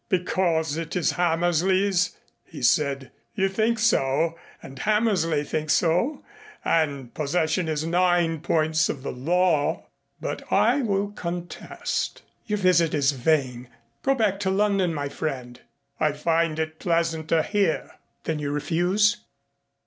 "Because it is Hammersley's?" he said. "You think so and Hammersley thinks so, and possession is nine points of the law. But I will contest." "Your visit is vain. Go back to London, my friend." "I find it pleasanter here." "Then you refuse?"